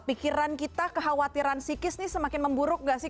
pikiran kita kekhawatiran psikis ini semakin memburuk gak sih